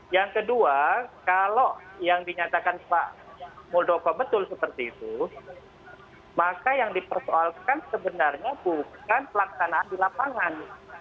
yang kedua kalau yang dinyatakan pak muldoko betul seperti itu maka yang dipersoalkan sebenarnya bukan pelaksanaan di lapangan